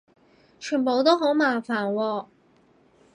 全部都好麻煩喎